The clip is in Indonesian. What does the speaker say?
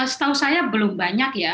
setahu saya belum banyak ya